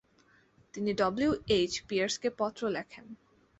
তিনি W. H. পিয়ার্সকে পত্র লেখেন।